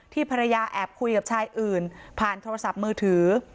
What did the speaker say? ภรรยาแอบคุยกับชายอื่นผ่านโทรศัพท์มือถือ